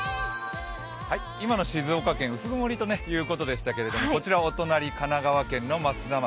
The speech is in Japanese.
今の静岡県、薄曇りということでしたけれどもこちらはお隣、神奈川県の松田町。